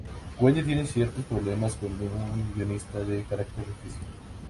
Wendy tiene ciertos problemas con un guionista de carácter difícil.